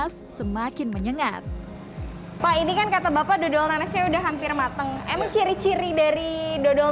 setelah lebih dari satu jam adonan bisa dikumpulkan ke dalam wajan pengaduk adonan